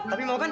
tapi mau kan